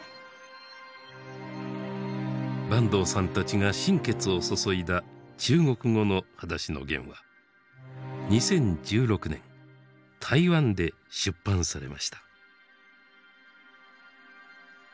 坂東さんたちが心血を注いだ中国語の「はだしのゲン」は２０１６年台湾で出版されました。